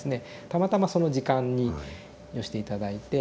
たまたまその時間に寄せて頂いて。